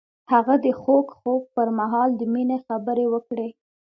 هغه د خوږ خوب پر مهال د مینې خبرې وکړې.